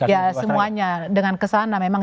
ya semuanya dengan kesana memang